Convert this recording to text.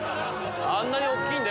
あんな大っきいんだ